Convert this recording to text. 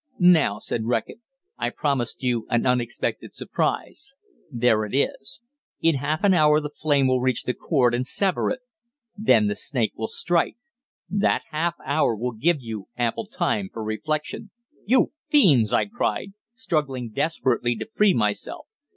"Now," said Reckitt, "I promised you an unexpected surprise. There it is! In half an hour the flame will reach the cord, and sever it. Then the snake will strike. That half hour will give you ample time for reflection." "You fiends!" I cried, struggling desperately to free myself.